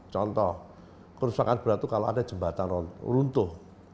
contoh kerusakan berat itu kalau ada jembatan runtuh